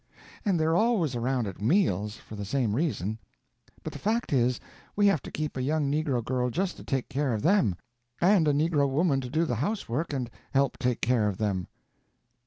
And they're always around at meals, for the same reason. But the fact is, we have to keep a young negro girl just to take care of them, and a negro woman to do the housework and help take care of them."